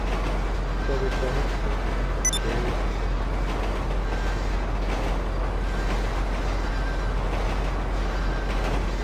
তবে কনক চাঁপা বেড়ে উঠেছেন ঢাকায়।